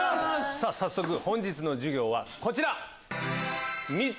早速本日の授業はこちら！